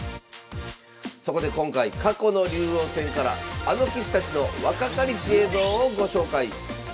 そこで今回過去の竜王戦からあの棋士たちの若かりし映像をご紹介。